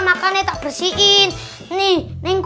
makanya tak bersihin